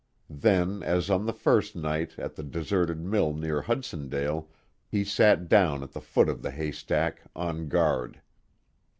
Then, as on the first night at the deserted mill near Hudsondale, he sat down at the foot of the haystack, on guard.